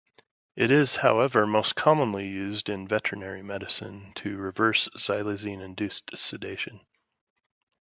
It is however most commonly used in veterinary medicine, to reverse xylazine-induced sedation.